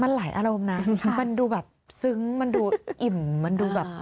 มันหลายอารมณ์นะมันดูแบบซึ้งมันดูอิ่มมันดูแบบ